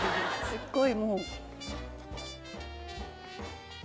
すっごいもう。